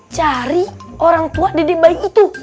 cari orang tua didi bayi itu